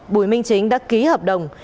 bùi minh chính đã ký hợp đồng